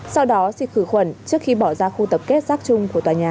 sau đó xịt khử khuẩn trước khi bỏ ra khu tập kết rác chung của tòa nhà